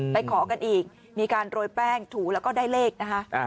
ขอกันอีกมีการโรยแป้งถูแล้วก็ได้เลขนะคะ